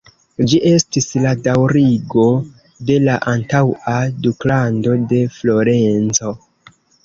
Ĝi estis la daŭrigo de la antaŭa Duklando de Florenco.